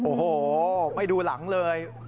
โอ้โหไม่ดูหลังเลย